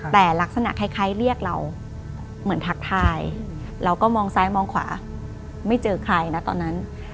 แต่ลักษณะคล้ายเรียกเราเหมือนทักทายเราก็มองซ้ายมองขวาไม่เจอใครนะตอนนั้น